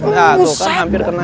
eh gak usah hampir kena